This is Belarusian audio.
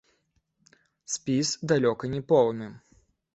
Спіс далёка не поўны.